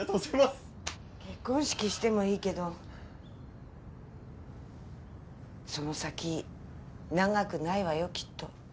結婚式してもいいけどその先長くないわよきっと。